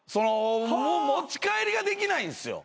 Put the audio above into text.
持ち帰りができないんすよ